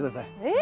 え？